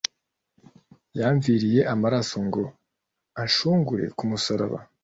Yamviriye amaraso ngo anshungure ku musaraba